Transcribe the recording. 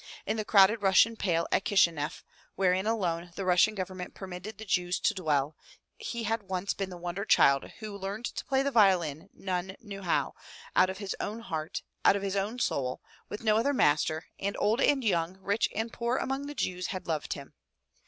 In the crowded Russian pale at Kishineff, wherein alone the Russian government permitted the Jews to dwell, he had once been the wonder child who learned to play on the violin none knew how, out of his own heart, out of his own soul, with no other master; and old and young, rich and poor among the Jews had loved him.